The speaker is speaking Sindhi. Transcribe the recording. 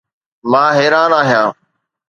مان حيران آهيان